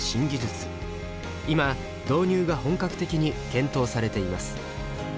今導入が本格的に検討されています。